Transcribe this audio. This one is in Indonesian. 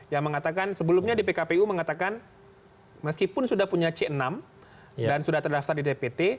yang mengatakan sebelumnya di pkpu mengatakan meskipun sudah punya c enam dan sudah terdaftar di dpt